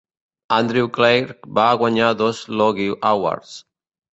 Andrew Clarke ha guanyat dos Logie Awards.